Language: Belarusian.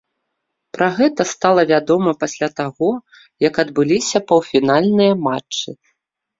Пра гэта стала вядома пасля таго, як адбыліся паўфінальныя матчы.